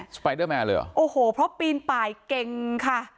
ไปเดอร์แมนเลยเหรอโอ้โหเพราะปีนป่ายเก่งค่ะ